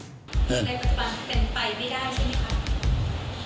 ในปัจจุบันเป็นไปไม่ได้ใช่ไหมคะ